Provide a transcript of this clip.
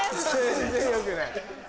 全然よくない。